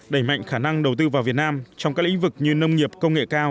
đẩy mạnh khả năng đầu tư vào việt nam trong các lĩnh vực như nông nghiệp công nghệ cao